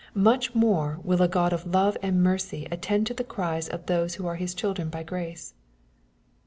Much more will a God of love and mercy attend to the cries of those who are His children by grace.